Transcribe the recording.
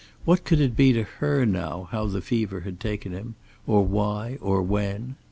What could it be to her now how the fever had taken him, or why or when?